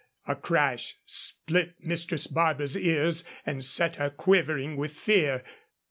A crash split Mistress Barbara's ears and set her quivering with fear.